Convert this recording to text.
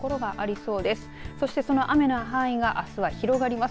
そして、その雨の範囲があすは広がります。